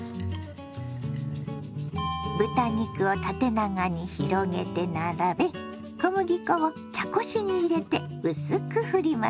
豚肉を縦長に広げて並べ小麦粉を茶こしに入れて薄くふります。